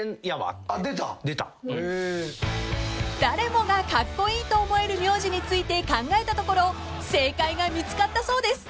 ［誰もがカッコイイと思える名字について考えたところ正解が見つかったそうです］